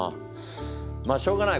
まあしょうがない。